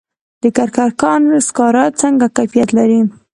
د کرکر کان سکاره څنګه کیفیت لري؟